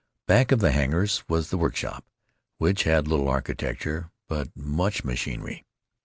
Back of the hangars was the workshop, which had little architecture, but much machinery.